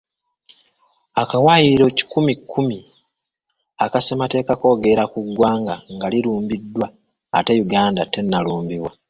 Akawaayiro kikumi kkumi, aka ssemateeka kwogera ku ggwanga nga lirumbiddwa ate Uganda tennalumbibwa.